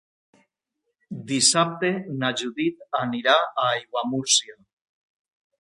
Dissabte na Judit anirà a Aiguamúrcia.